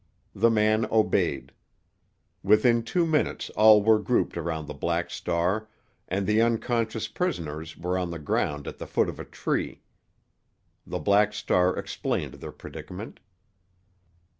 The man obeyed; within two minutes all were grouped around the Black Star, and the unconscious prisoners were on the ground at the foot of a tree. The Black Star explained their predicament.